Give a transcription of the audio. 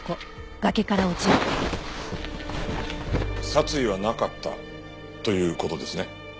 殺意はなかったという事ですね？